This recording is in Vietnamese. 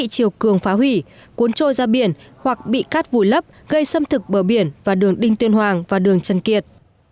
chiều cường phá hủy cuốn trôi ra biển hoặc bị cắt vùi lấp gây xâm thực bờ biển và đường đinh tuyên hoàng và đường trần kiệt